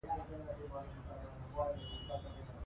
لوستې میندې د ماشوم لپاره سالم چاپېریال غواړي.